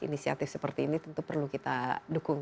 inisiatif seperti ini tentu perlu kita dukung